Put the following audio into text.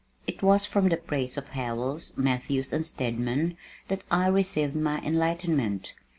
It was from the praise of Howells, Matthews and Stedman, that I received my enlightenment.